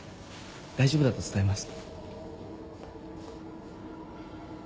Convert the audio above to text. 大丈夫だと伝えます。